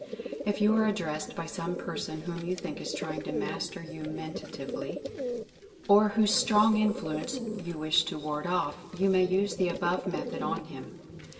If you are addressed by some person whom you think is trying to master you mentatively, or whose strong influence you wish to ward off, you may use the above method on him.